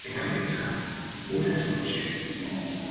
Fue muy reconocido por su cultura y erudición.